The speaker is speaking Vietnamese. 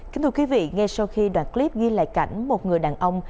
kính thưa quý vị ngay sau khi đoạn clip ghi lại cảnh một người đàn ông